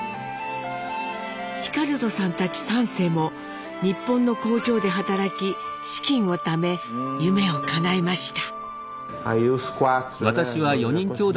ヒカルドさんたち３世も日本の工場で働き資金をため夢をかなえました。